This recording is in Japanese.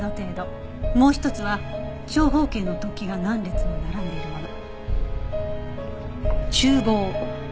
もう一つは長方形の突起が何列も並んでいるもの。